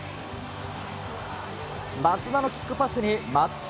松田のキックパスに、松島。